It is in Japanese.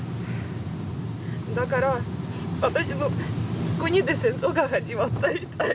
だから私の国で戦争が始まったみたい。